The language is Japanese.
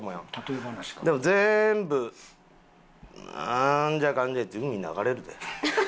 でも全部なんじゃかんじゃいって海に流れるで。